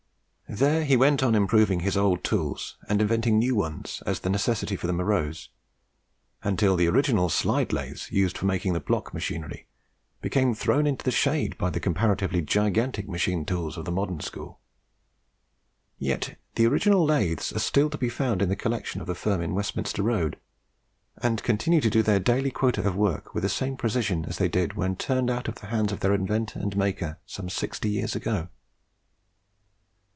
There he went on improving his old tools and inventing new ones, as the necessity for them arose, until the original slide lathes used for making the block machinery became thrown into the shade by the comparatively gigantic machine tools of the modern school. Yet the original lathes are still to be found in the collection of the firm in Westminster Road, and continue to do their daily quota of work with the same precision as they did when turned out of the hands of their inventor and maker some sixty years ago.